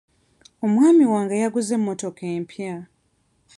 Omwami wange yaguze emmotoka empya.